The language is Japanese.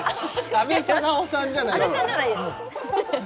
阿部サダヲさんじゃないです